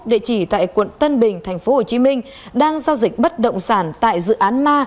địa chỉ tại quận tân bình tp hcm đang giao dịch bất động sản tại dự án ma